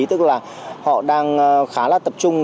tức là họ đang khá là tập trung